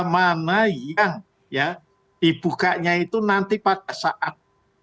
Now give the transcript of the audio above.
mana yang dibukanya itu nanti pada saatnya